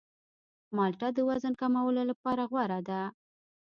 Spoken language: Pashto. مالټه د وزن کمولو لپاره غوره ده.